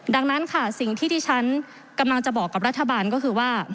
ดังนั้นค่ะสิ่งที่ที่ฉันกำลังจะบอกกับรัฐบาลก็คือว่า